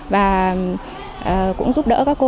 và cũng giúp đỡ các cô